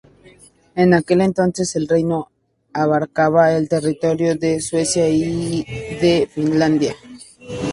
En aquel entonces, el reino abarcaba el territorio de Suecia y de Finlandia.